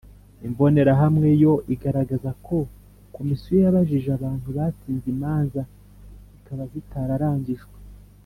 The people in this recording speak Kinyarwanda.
Imbonerahamwe no iragaragaza ko komisiyo yabajije abantu batsinze imanza zikaba zitararangijwe